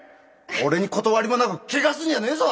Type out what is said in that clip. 俺に断りもなくけがするんじゃねえぞ！